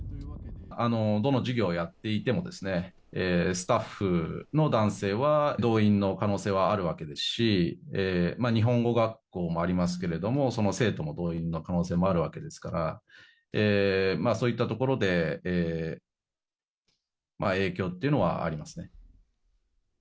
どの事業をやっていても、スタッフの男性は動員の可能性はあるわけですし、日本語学校もありますけれども、その生徒の動員の可能性もあるわけですから、そういったところで影響っていうのはありますね。